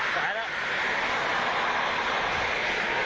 ตายแล้ว